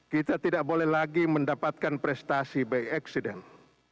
kita tidak boleh lagi mendapatkan prestasi by accident